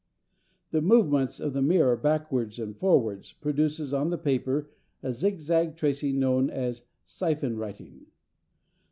The movements of the mirror backwards and forwards produce on the paper a zigzag tracing known as syphon writing.